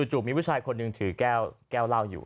จู่มีผู้ชายคนหนึ่งถือแก้วเหล้าอยู่